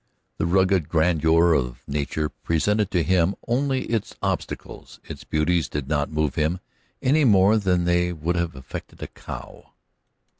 The rugged grandeur of nature presented to him only its obstacles; its beauties did not move him any more than they would have affected a cow.